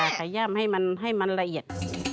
ขย่ามให้มันละเอียด